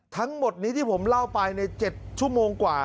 ทั้งหมดนี้ที่ผมเล่าไปใน๗ชั่วโมงกว่า